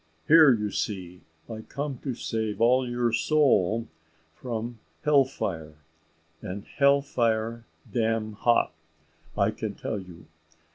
Here, you see, I come to save all your soul from hell fire; and hell fire dam hot, I can tell you.